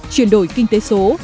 chuyển đổi kinh tế số